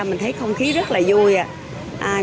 mình thấy không khí rất là vui